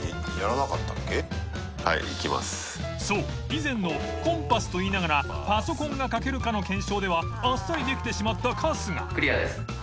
以前の「コンパス」と言いながらパソコン」が書けるかの検証では△辰気できてしまった春日磴修海